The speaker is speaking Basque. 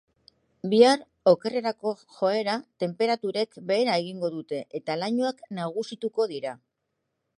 Bihar okerrerako joera, tenperaturek behera egingo dute eta lainoak nagusituko dira.